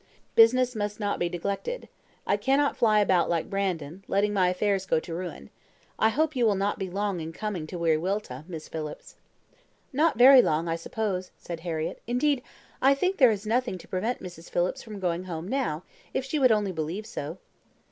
Business must not be neglected. I cannot be flying about like Brandon, letting my affairs go to ruin. I hope you will not be long in coming to Wiriwilta, Miss Phillips." "Not very long I suppose," said Harriett. "Indeed, I think there is nothing to prevent Mrs. Phillips from going home now, if she would only believe so."